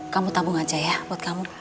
kamu tabung aja ya buat kamu